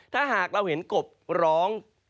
ถ้าหากเราเห็นกบร้อง